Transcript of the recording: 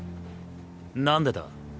何でだ？